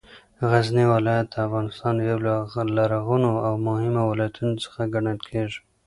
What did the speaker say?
غزنې ولایت د افغانستان یو له لرغونو او مهمو ولایتونو څخه ګڼل کېږې